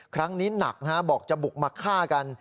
ครั้งนี้หนักบอกจะบุกมาฆ่ากัน